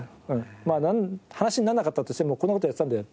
まあ話にならなかったとしてもこんな事やってたんだよ